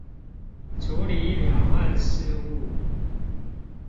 處理兩岸事務